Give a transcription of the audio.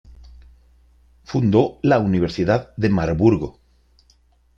Fundó la Universidad de Marburgo.